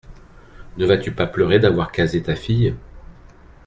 Ne vas-tu pas pleurer d’avoir casé ta fille ?